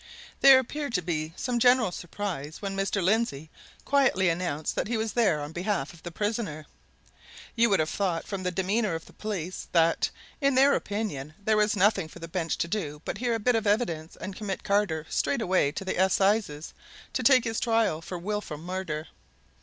There appeared to be some general surprise when Mr. Lindsey quietly announced that he was there on behalf of the prisoner. You would have thought from the demeanour of the police that, in their opinion, there was nothing for the bench to do but hear a bit of evidence and commit Carter straight away to the Assizes to take his trial for wilful murder.